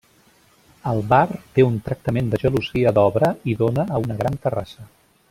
El bar té un tractament de gelosia d'obra i dóna a una gran terrassa.